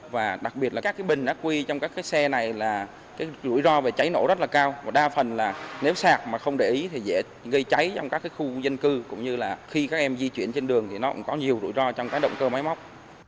và đặc biệt là các cái bình đã quy trong các cái xe này là cái rủi ro về cháy nổ rất là cao và đa phần là nếu sạc mà không để ý thì dễ gây cháy trong các khu dân cư cũng như là khi các em di chuyển trên đường thì nó cũng có nhiều rủi ro trong cái động cơ máy móc